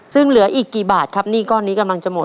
ซึ่งเหลืออีกกี่บาทครับหนี้ก้อนนี้กำลังจะหมด